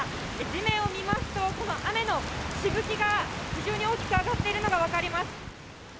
地面を見ますと、この雨のしぶきが非常に大きく上がっているのが分かります。